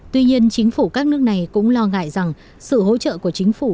tuy nhiên chính phủ các nước này cũng lo ngại rằng sự hỗ trợ của chính phủ